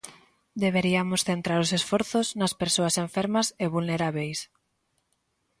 "Deberiamos centrar os esforzos nas persoas enfermas e vulnerábeis".